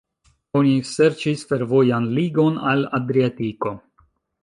Oni serĉis fervojan ligon al Adriatiko.